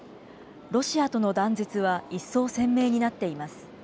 ロシアとの断絶は一層、鮮明になっています。